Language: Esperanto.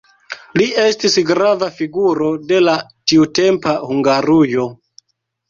Li estis grava figuro de la tiutempa Hungarujo.